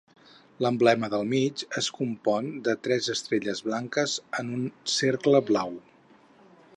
L'emblema del mig es compon de tres estrelles blanques en un cercle blau.